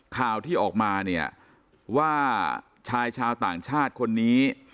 ข่าวที่ออกมาเนี่ยว่าชายชาวต่างชาติคนนี้